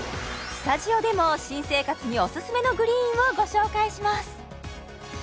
スタジオでも新生活にオススメのグリーンをご紹介します